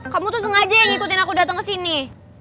kamu tuh sengaja yang ngikutin aku dateng kesini